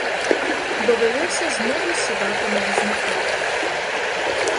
Довелося знову сідати на візника.